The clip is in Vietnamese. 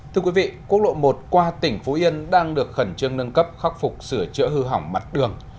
thưa quý vị quốc lộ một qua tỉnh phú yên đang được khẩn trương nâng cấp khắc phục sửa chữa hư hỏng mặt đường